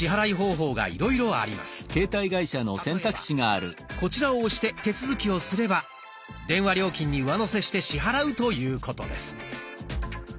例えばこちらを押して手続きをすれば電話料金に上乗せして支払うということです。